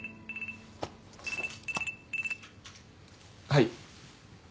はい。